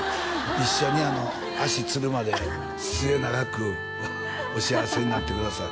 一緒に足つるまで末永くお幸せになってください